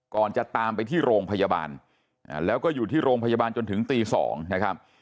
จะตามไปที่โรงพยาบาลแล้วก็อยู่ที่โรงพยาบาลจนถึงตี๒นะครับ